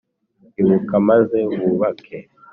ibuka, maze wubake.